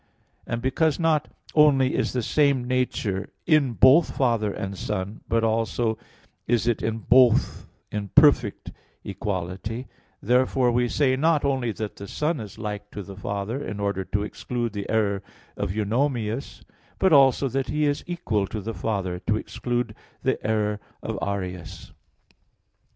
And because not only is the same nature in both Father and Son, but also is it in both in perfect equality, therefore we say not only that the Son is like to the Father, in order to exclude the error of Eunomius, but also that He is equal to the Father to exclude the error of Arius.